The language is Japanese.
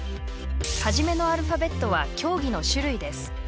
初めのアルファベットは競技の種類です。